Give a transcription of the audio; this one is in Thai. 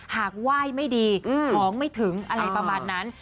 หากไหว้ไม่ดีของไม่ถึงอะไรประมาณนั้น